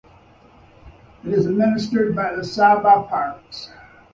It is administered by the Sabah Parks.